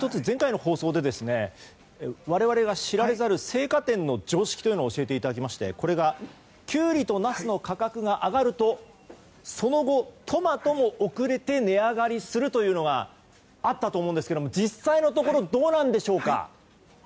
前回の放送で我々が知られざる青果店の常識というのを教えていただきましてこれがキュウリとナスの価格が上がるとその後、トマトも遅れて値上がりするというのがあったと思いますが実際のところ、どうですか。